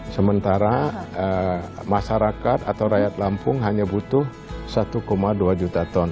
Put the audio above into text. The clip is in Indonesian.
sementara masyarakat atau rakyat lampung hanya butuh satu dua juta ton